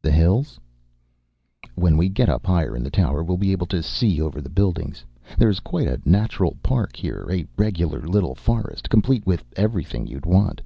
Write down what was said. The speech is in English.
"The hills?" "When we get up higher in the tower we'll be able to see over the buildings. There's quite a natural park here, a regular little forest, complete with everything you'd want.